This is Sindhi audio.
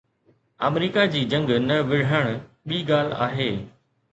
آمريڪا جي جنگ نه وڙهڻ ٻي ڳالهه آهي.